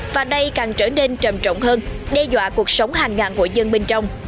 và đây càng trở nên trầm trọng hơn đe dọa cuộc sống hàng ngàn ngội dân bên trong